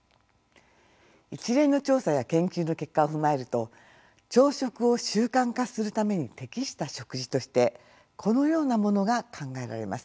一連の調査や研究の結果を踏まえると朝食を習慣化するために適した食事としてこのようなモノが考えられます。